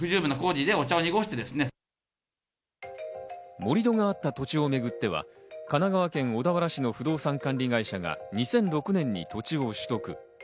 盛り土があった土地をめぐっては、神奈川県小田原市の不動産管理会社が２００６年に土地を取得。